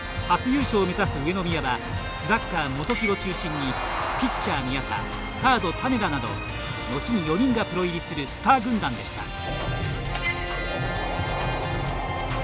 初優勝を目指す上宮はスラッガー・元木を中心にピッチャー・宮田サード・種田などのちに４人がプロ入りするスター軍団でした。